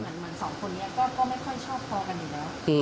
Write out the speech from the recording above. เหมือนสองคนนี้ก็ไม่ค่อยชอบพอกันอยู่แล้ว